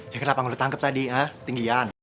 ya kenapa gue ditangkep tadi ha tinggi an